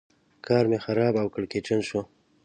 کار مې خراب او کړکېچن شو.